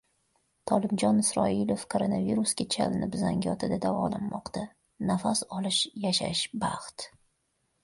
Tolibjon Isroilov koronavirusga chalinib Zangiotada davolanmoqda: "Nafas olish, yashash — baxt"